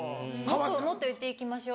もっと言っていきましょう。